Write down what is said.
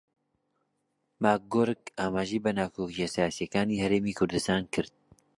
ماکگۆرک ئاماژەی بە ناکۆکییە سیاسییەکانی هەرێمی کوردستان کرد